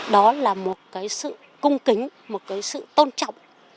đó là một cái sự cung kính một cái sự tôn trọng